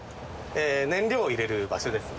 燃料を入れる場所です。